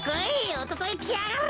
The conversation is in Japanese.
おとといきやがれ！